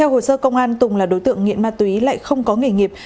hồ sơ công an tùng là đối tượng nghiện ma túy lại không có nghề nghiệp